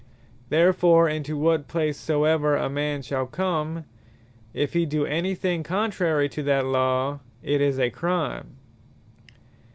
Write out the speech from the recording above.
Therefore into what place soever a man shall come, if he do any thing contrary to that Law, it is a Crime.